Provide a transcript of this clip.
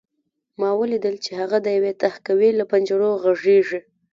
ما ولیدل چې هغه د یوې تهکوي له پنجرو غږېږي